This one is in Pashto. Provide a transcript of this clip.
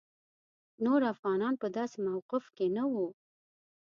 نور افغانان په داسې موقف کې نه وو.